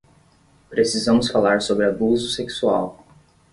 Precisamos falar sobre abuso sexual